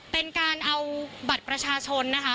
เป็นการเอาบัตรประชาชนนะคะ